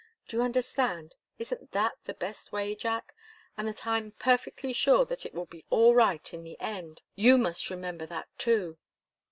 Do you understand? Isn't that the best way, Jack? And that I'm perfectly sure that it will be all right in the end you must remember that, too."